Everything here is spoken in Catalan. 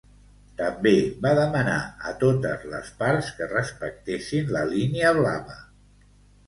També va demanar a totes les parts que respectessin la Línia Blava.